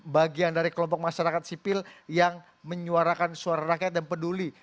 bagian dari kelompok masyarakat sipil yang menyuarakan suara rakyat dan peduli